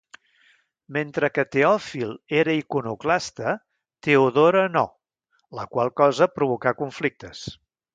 Mentre que Teòfil era iconoclasta, Teodora no, la qual cosa provocà conflictes.